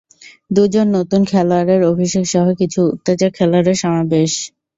দুজন নতুন খেলোয়াড়ের অভিষেক সহ কিছু উত্তেজক খেলোয়াড়ের সমাবেশ!